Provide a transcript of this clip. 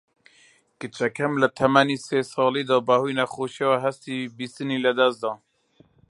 کچەکەم لە تەمەنی سێ ساڵیدا بە هۆی نەخۆشییەوە هەستی بیستنی لەدەست دا